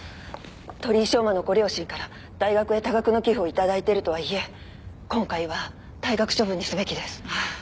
鳥居翔真のご両親から大学へ多額の寄付を頂いているとはいえ今回は退学処分にすべきです。